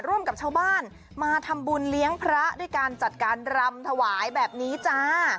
ร่วมกับชาวบ้านมาทำบุญเลี้ยงพระด้วยการจัดการรำถวายแบบนี้จ้า